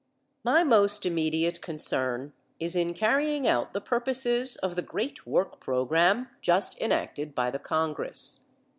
My most immediate concern is in carrying out the purposes of the great work program just enacted by the Congress.